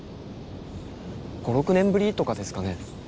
５６年ぶりとかですかね。